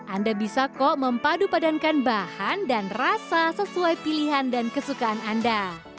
anda bisa kok mempadu padankan bahan dan rasa sesuai pilihan dan kesukaan anda